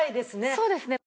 そうですね。